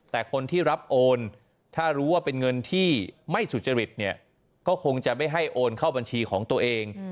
แต่คนที่รับโอนถ้ารู้ว่าเป็นเงินที่ไม่สุจริตเนี่ยก็คงจะไม่ให้โอนเข้าบัญชีของตัวเอง